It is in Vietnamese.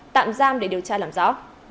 tạm giam để điều tra làm rõ